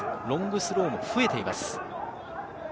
ロングスローも増えています。